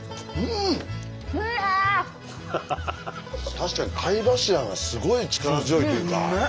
確かに貝柱がすごい力強いっていうか。